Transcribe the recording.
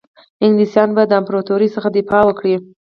انګلیسیان به د امپراطوري څخه دفاع وکړي.